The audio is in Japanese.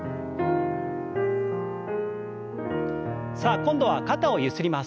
さあ今度は肩をゆすります。